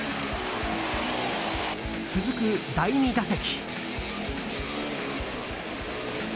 続く第２打席。